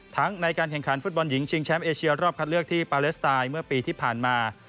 ในการแข่งขันฟุตบอลหญิงชิงแชมป์เอเชียรอบคัดเลือกที่ปาเลสไตน์เมื่อปีที่ผ่านมา